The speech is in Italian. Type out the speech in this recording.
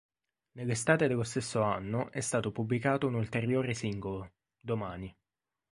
Nell'estate dello stesso anno è stato pubblicato un ulteriore singolo, "Domani".